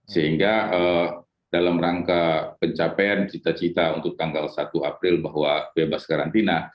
sehingga dalam rangka pencapaian cita cita untuk tanggal satu april bahwa bebas karantina